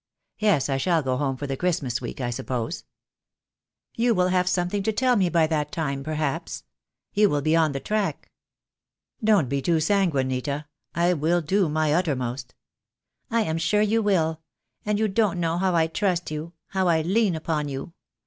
"Yes, I shall go home for the Christmas week, I suppose." "You will have something to tell me by that time, perhaps. "You will be on the track." "Don't be too sanguine, Nita. I will do my utter most." "I am sure you will. Ah, you don't know how I trust you, how I lean upon you.